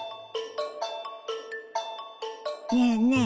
ねえねえ